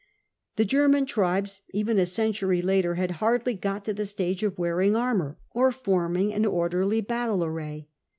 The Ger man tribes, even a century later, had hardly got to the stage of wearing armour or forming an orderly battle array.